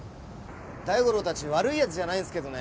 大五郎たち悪い奴じゃないんですけどね